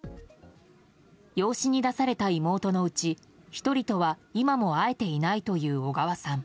養子に出された妹のうち１人とは今も会えていないという小川さん。